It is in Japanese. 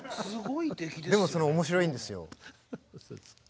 でも面白いんですよ。